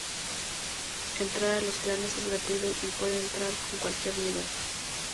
Entrar a los clanes es gratuito y se puede entrar con cualquier nivel.